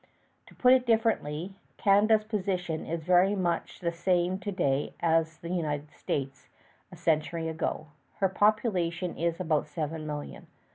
To put it differently: Canada's position is very much the same to day as the United States' a century ago. Her population is about seven million.